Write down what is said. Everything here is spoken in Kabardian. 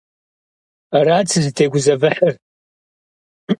Арат сызытегузэвыхьыр.